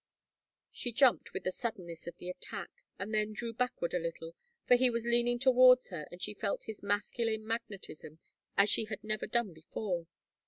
She jumped with the suddeness of the attack, and then drew backward a little, for he was leaning towards her and she felt his masculine magnetism as she had never done before.